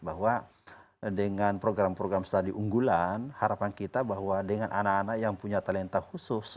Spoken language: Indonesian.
bahwa dengan program program study unggulan harapan kita bahwa dengan anak anak yang punya talenta khusus